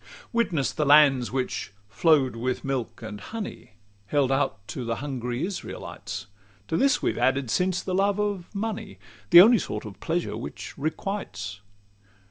C Witness the lands which "flow'd with milk and honey," Held out unto the hungry Israelites; To this we have added since, the love of money, The only sort of pleasure which requites.